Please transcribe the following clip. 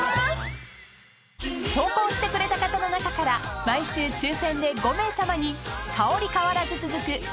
［投稿してくれた方の中から毎週抽選で５名さまに香り変わらず続く